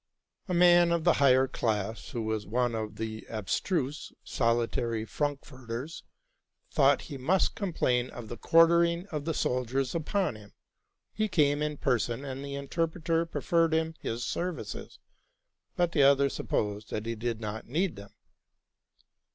A man of the higher class, who was one of the abstruse, solitary Frankforters, thought he must complain of the quar tering of the soldiers upon him. He came in person ; and the interpreter proffered him his services, but the other supposed that he did not need them.